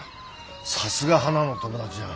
さすがはなの友達じゃん。